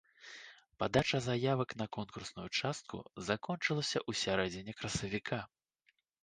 Падача заявак на конкурсную частку закончылася ў сярэдзіне красавіка.